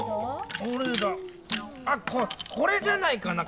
あこれじゃないかな？